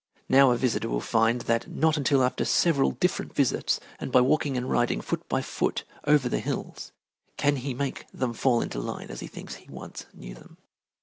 Now a visitor will find that not until after several different visits, and by walking and riding foot by foot over the hills, can he make them fall into line as he thinks he once knew them.